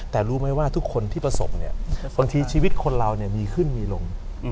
แต่รู้ไหมว่าทุกคนที่ประสบบางทีชีวิตคนเรามีขึ้นมีลง